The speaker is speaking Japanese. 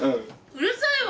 うるさいわ！